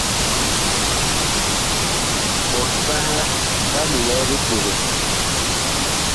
Ɓɔɔn ɓaha ɓa loɛ biceglɛɛ.